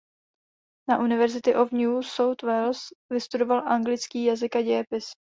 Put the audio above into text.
Na University of New South Wales vystudoval anglický jazyk a dějepis.